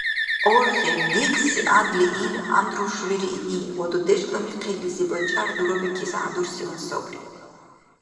Аргъиб декӀси гӀяндли ил гӀяндруршули риъни, ва дудешла михъирлизибад чӀяр дурабикес хӀядурсиван сабри.